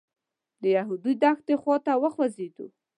د یهودو دښتې خوا ته وخوځېدو.